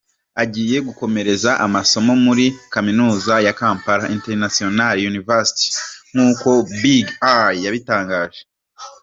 Agiye gukomereza amasomo muri kaminuza ya Kampala International University nk’uko Big Eye yabitangaje.